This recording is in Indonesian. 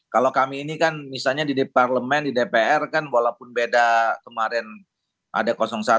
kalau kami ini kan misalnya di parlemen di dpr kan walaupun beda kemarin ada satu